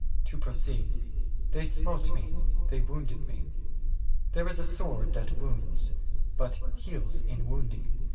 To proceed ; They smote me, they wounded me. There is a sword that wounds, but heals in wounding.